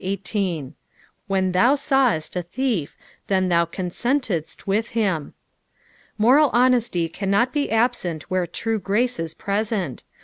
18. "When ihint taveit a thief, then thou tx/mentedit vdth him." Moral honesty cannot be absent where true grace is present.